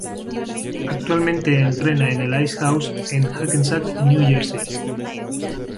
Actualmente entrena en el Ice House en Hackensack New Jersey.